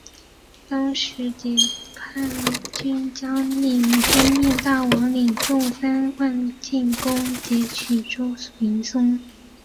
当时谍报叛军将领黑面大王领众三万进攻截取周明松。